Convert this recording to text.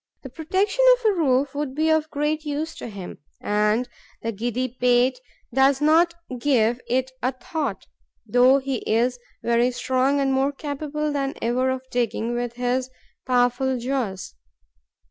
The protection of a roof would be of great use to him; and the giddy pate does not give it a thought, though he is very strong and more capable than ever of digging with his powerful jaws.